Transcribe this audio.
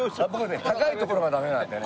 高い所がダメなんでね。